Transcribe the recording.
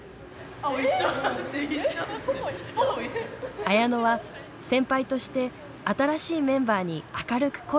綾乃は先輩として新しいメンバーに明るく声をかける。